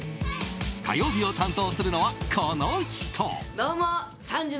火曜日を担当するのは、この人。